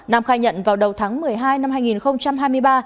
nam khai nhận vào đầu tháng một mươi hai năm hai nghìn hai mươi ba